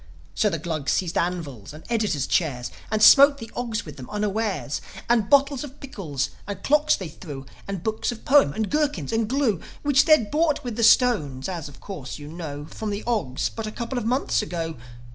So the Glugs seized anvils, and editors' chairs, And smote the Ogs with them unawares; And bottles of pickles, and clocks they threw, And books of poems, and gherkins, and glue, Which they'd bought with the stones as, of course, you know From the Ogs but a couple of months ago.